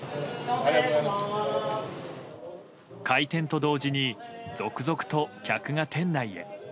開店と同時に続々と客が店内へ。